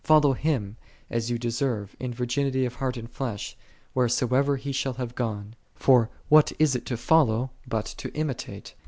Fol low Him, as ye deserve,10 in virginity of heart and flesh, wheresoever He shall have gone. For what is it to follow, but to imitate